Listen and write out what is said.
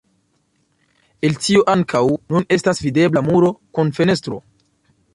El tio ankaŭ nun estas videbla muro kun fenestro.